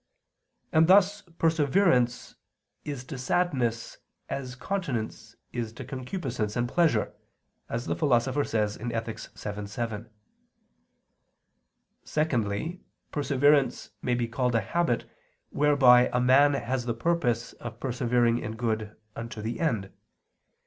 And thus perseverance is to sadness as continence is to concupiscence and pleasure, as the Philosopher says (Ethic. vii, 7). Secondly, perseverance may be called a habit, whereby a man has the purpose of persevering in good unto the end.